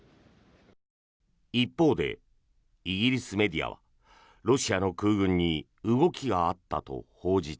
一方でイギリスメディアはロシアの空軍に動きがあったと報じた。